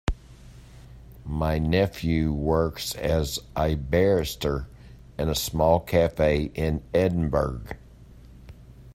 My nephew works as a barista in a small cafe in Edinburgh.